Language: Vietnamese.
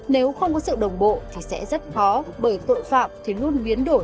nếu không có sự đồng bộ thì sẽ rất khó bởi tội phạm thì luôn biến đổi